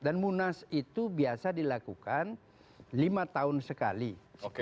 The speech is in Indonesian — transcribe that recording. dan munas itu biasa dilakukan lima tahun sekali oke